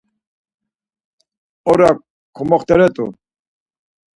Ora komuxtere rt̆u.